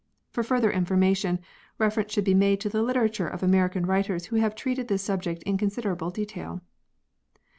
For further information reference should be made to the literature of American writers who have treated this subject in considerable detail.